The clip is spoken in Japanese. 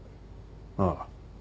ああ。